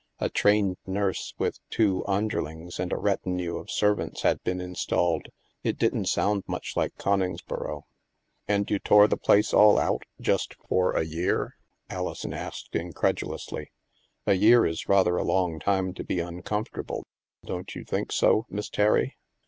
A trained nurse with two un derlings and a retinue of servants had been installed. It didn't soimd much like Coningsboro. " And you tore the place all out, just for a year? " Alison asked incredulously. " A year is rather a long time to be uncomfort able; don't you think so, Miss Terry?